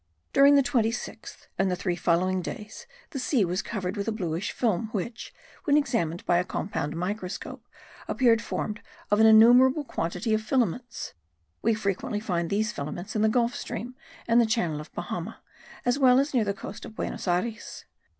During the 26th, and the three following days, the sea was covered with a bluish film which, when examined by a compound microscope, appeared formed of an innumerable quantity of filaments. We frequently find these filaments in the Gulf stream, and the Channel of Bahama, as well as near the coast of Buenos Ayres.